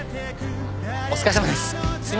お疲れさまです